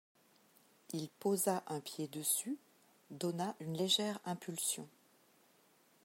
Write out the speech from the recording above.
Il posa un pied dessus, donna une légère impulsion.